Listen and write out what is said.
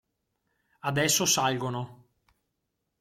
Adesso salgono.